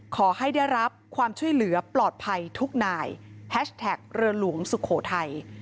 ขอให้ได้รับความช่วยเหลือปลอดภัยทุกนายแฮชแท็กเรือหลวงสุโขทัย